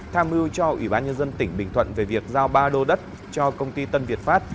tham mưu cho ủy ban nhân dân tỉnh bình thuận về việc giao ba đô đất cho công ty tân việt pháp